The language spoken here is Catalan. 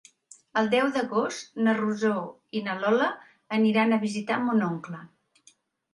El deu d'agost na Rosó i na Lola aniran a visitar mon oncle.